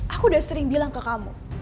aku udah sering bilang ke kamu